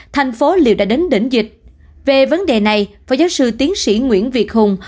thành phố đều đã đến đỉnh dịch về vấn đề này phó giáo sư tiến sĩ nguyễn việt hùng